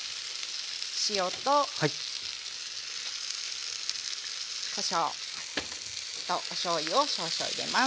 塩とこしょうとおしょうゆを少々入れます。